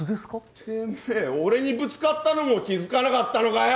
てめえ俺にぶつかったのも気づかなかったのかよ！